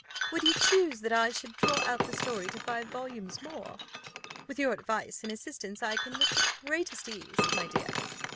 Would you choose that I should draw out the story to five volumes more? With your advice and assistance, I can with the greatest ease, my dear.